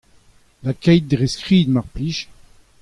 Lakait dre skrid mar plij !